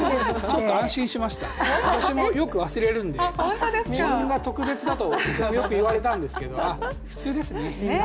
ちょっと安心しました、私もよく忘れるんで、自分が特別だとよく言われたんですけど普通ですね。